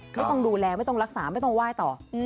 ไม่ต้องดูแลไม่ต้องรักษาไม่ต้องไหว้ต่อ